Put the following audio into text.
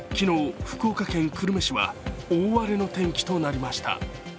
昨日、福岡県久留米市は大荒れの天気となりました。